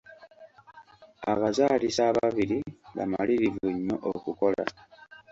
Abazaalisa ababiri bamalirivu nnyo okukola.